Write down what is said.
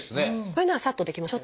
これならさっとできます。